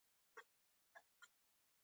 هلته ما یو آس ولید چې تړل شوی و.